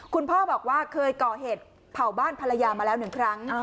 คุณพ่อบอกว่าเคยก่อเหตุเผาบ้านภรรยามาแล้วหนึ่งครั้ง